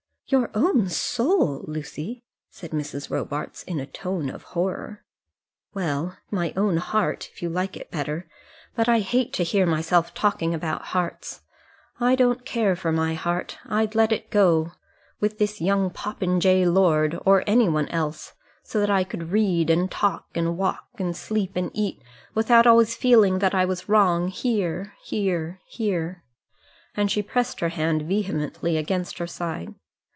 "Your own soul, Lucy!" said Mrs. Robarts, in a tone of horror. "Well, my own heart, if you like it better; but I hate to hear myself talking about hearts. I don't care for my heart. I'd let it go with this young popinjay lord or anyone else, so that I could read, and talk, and walk, and sleep, and eat, without always feeling that I was wrong here here here," and she pressed her hand vehemently against her side.